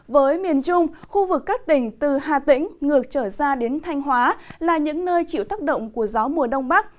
với miền trung khu vực các tỉnh từ hà tĩnh ngược trở ra đến thanh hóa là những nơi chịu tác động của gió mùa đông bắc